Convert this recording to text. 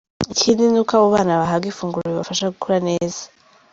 Ikindi ni uko abo bana bahabwa ifunguro ribafasha gukura neza.